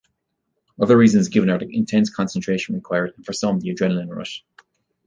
Other reasons given are the intense concentration required and, for some, the adrenaline rush.